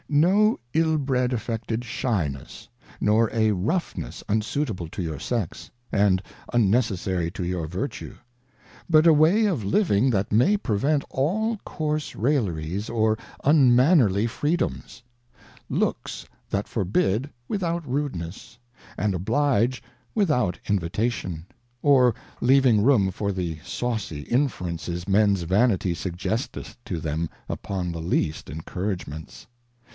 No ill bred affected Shyness, nor a Roughness, unsuitable to your Sex, and unnecessary to your Vertue; but a way of Living that may prevent all coarse Railleries or unmannerly Freedoms^ Looks that forbid without Rudeness, and oblige without IriMmion, or leaving room for the sawcy Inferences Men's Vanity suggesteth to them upon the least Encouragements.